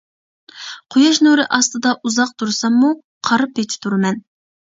قۇياش نۇرى ئاستىدا ئۇزاق تۇرساممۇ قارا پېتى تۇرىمەن.